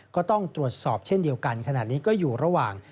ก็ต้องตรวจสอบเช่นเดียวกันขณะนี้ก็อยู่ระหว่าง